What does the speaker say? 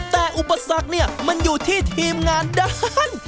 แต่อุปสรรคเนี่ยมันอยู่ที่ทีมงานด้าน